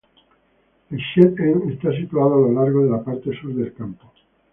El Shed End está situado a lo largo de la parte sur del campo.